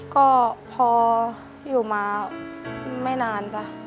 ก็พออยู่มาไม่นานจ้ะ